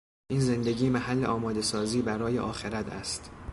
این زندگی محل آمادهسازی برای آخرت است.